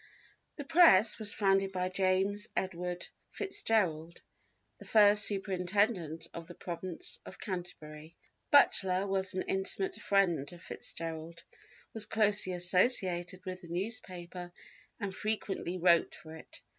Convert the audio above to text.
The Press was founded by James Edward FitzGerald, the first Superintendent of the Province of Canterbury. Butler was an intimate friend of FitzGerald, was closely associated with the newspaper and frequently wrote for it.